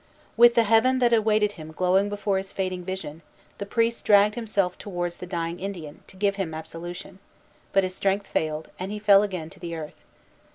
With the Heaven that awaited him glowing before his fading vision, the priest dragged himself towards the dying Indian, to give him absolution; but his strength failed, and he fell again to the earth.